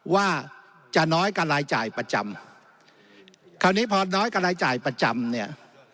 ว่าจะน้อยกว่ารายจ่ายประจำคราวนี้พอน้อยกว่ารายจ่ายประจำเนี่ย